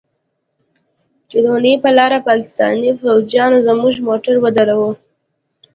چې د واڼې پر لاره پاکستاني فوجيانو زموږ موټر ودراوه.